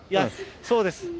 そうです。